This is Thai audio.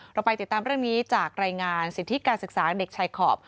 เราไปติดตามเรื่องนี้จากรายงานสิทธิการศึกษาเด็กชายขอบ